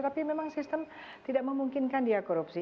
tapi memang sistem tidak memungkinkan dia korupsi